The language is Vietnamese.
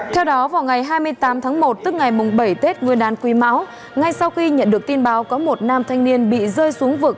theo đó vào ngày hai mươi tám tháng một tức ngày bảy tết nguyên đán quý mão ngay sau khi nhận được tin báo có một nam thanh niên bị rơi xuống vực